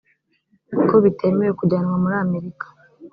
ko bitemewe kujyanwa muri amerika